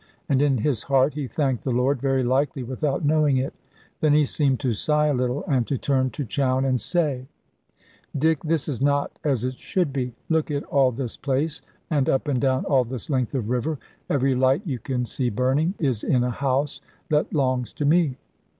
And in his heart he thanked the Lord, very likely without knowing it. Then he seemed to sigh a little, and to turn to Chowne, and say "Dick, this is not as it should be. Look at all this place, and up and down all this length of river; every light you can see burning, is in a house that 'longs to me.